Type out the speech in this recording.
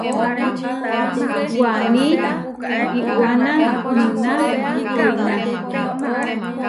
Waní iʼwanámuna oʼiná.